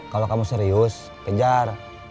kalau kamu serius kejar